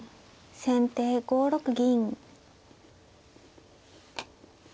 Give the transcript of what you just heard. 先手５六銀。